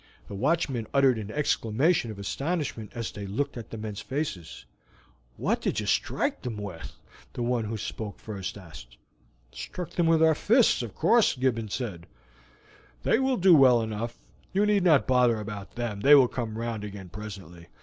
The watchmen uttered an exclamation of astonishment as they looked at the men's faces. "What did you strike them with?" the one who spoke first asked. "Struck them with our fists, of course," Gibbons replied. "They will do well enough; you need not bother about them, they will come round again presently.